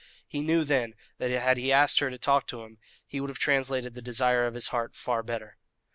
He knew then that had he asked her to talk to him he would have translated the desire of his heart far better.